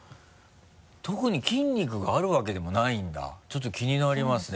特に筋肉があるわけでもないんだちょっと気になりますね。